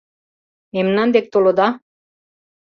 Мемнан дек толыда?